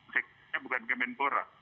sekiranya bukan kemenpora